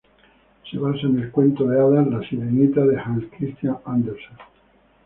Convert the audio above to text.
Se basa en el cuento de hadas "La sirenita" de Hans Christian Andersen.